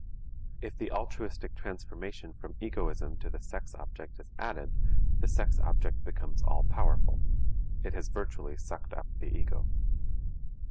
If the altruistic transformation from egoism to the sex object is added, the sex object becomes all powerful; it has virtually sucked up the ego.